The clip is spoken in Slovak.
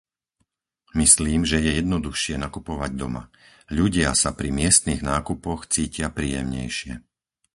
Myslím, že je jednoduchšie nakupovať doma. Ľudia sa pri miestnych nákupoch cítia príjemnejšie.